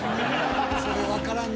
それわからんな。